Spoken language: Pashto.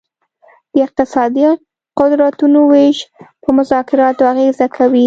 د اقتصادي قدرتونو ویش په مذاکراتو اغیزه کوي